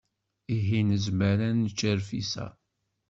Ihi nezmer ad nečč rfis-a?